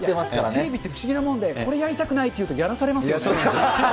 テレビって不思議なもんで、これやりたくないって言うと、やらされますよね。